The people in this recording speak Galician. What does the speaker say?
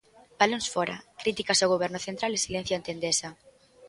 Balóns fóra, críticas ao Goberno central e silencio ante Endesa.